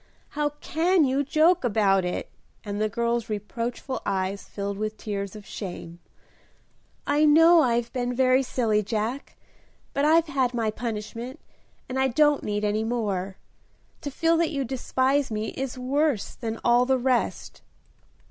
"How can you joke about it!" and the girl's reproachful eyes filled with tears of shame. "I know I've been very silly, Jack, but I've had my punishment, and I don't need any more. To feel that you despise me is worse than all the rest."